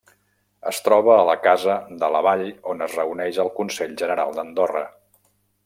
Es troba a la Casa de la Vall on es reuneix el Consell General d'Andorra.